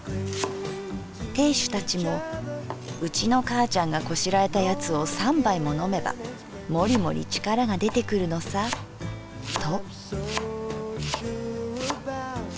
亭主たちも『うちのかあちゃんがこしらえた奴を三杯ものめばもりもり力が出てくるのさ』と」。